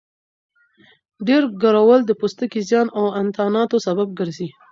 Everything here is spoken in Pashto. ډېر ګرول د پوستکي زیان او انتاناتو سبب ګرځي.